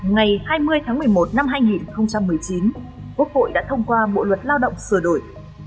ngày hai mươi tháng một mươi một năm hai nghìn một mươi chín quốc hội đã thông qua bộ luật lao động sửa đổi